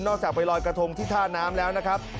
จากไปลอยกระทงที่ท่าน้ำแล้วนะครับ